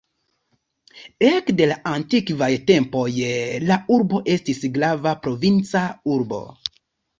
Ekde la antikvaj tempoj la urbo estis grava provinca urbo.